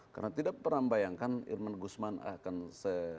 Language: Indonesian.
karena tidak pernah membayangkan irman guzman akan se